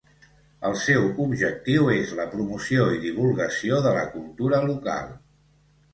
El seu objectiu és la promoció i divulgació de la cultura local.